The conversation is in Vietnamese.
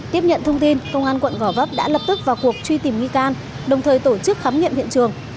tiếp nhận thông tin công an quận gò vấp đã lập tức vào cuộc truy tìm nghi can đồng thời tổ chức khám nghiệm hiện trường